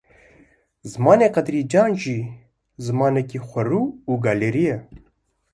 Zimanê Qedrîcan jî, zimanekî xwerû û gelêrî ye